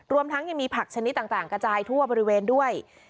รวมทั้งยังมีผักชนิดต่างกระจายทั่วบริเวณด้วย